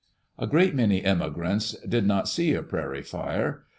A great many immigrants did not see a prairie fire.